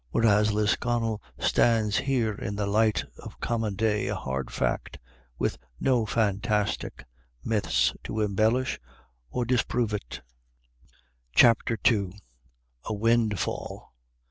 Whereas Lisconnel stands here in the light of common day, a hard fact with no fantastic myths to embellish or disprove it CHAPTER II. A WINDFALL.